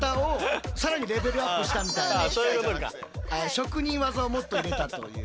職人技をもっと入れたという。